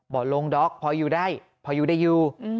บอกลงดอกพออยู่ได้พออยู่ได้อยู่